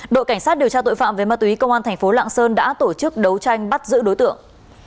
đội cảnh sát điều tra tội phạm về ma túy công an thành phố lạng sơn đã tổ chức đấu tranh bắt giữ đối tượng